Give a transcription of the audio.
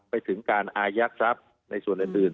ไปถึงการอายักษ์ครับในส่วนอื่น